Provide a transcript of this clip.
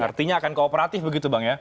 artinya akan kooperatif begitu bang ya